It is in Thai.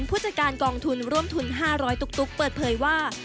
ผู้จัดการกองทุนร่วมทุน๕๐๐ตุ๊กเปิดเผยว่า